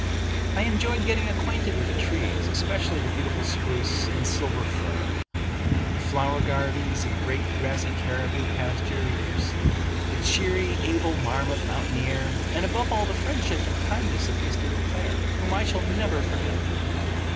I enjoyed getting acquainted with the trees, especially the beautiful spruce and silver fir; the flower gardens and great grassy caribou pastures; the cheery, able marmot mountaineer; and above all the friendship and kindness of Mr. Le Claire, whom I shall never forget.